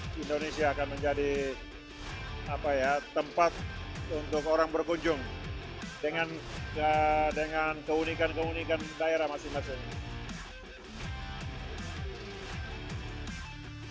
di indonesia akan menjadi tempat untuk orang berkunjung dengan keunikan keunikan daerah masing masing